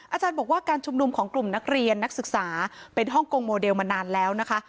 อาจารย์บอกว่าการชุมนุมของกลุ่มนักเรียนนักศึกษาเป็นฮ่องกงโมเดลมานานแล้วนะคะ